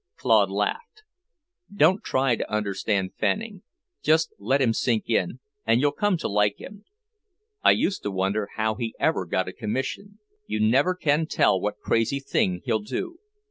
Claude laughed. "Don't try to understand Fanning. Just let him sink in, and you'll come to like him. I used to wonder how he ever got a commission. You never can tell what crazy thing he'll do."